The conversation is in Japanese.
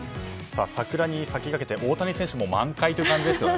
桜に先駆けて大谷選手も満開という感じですよね。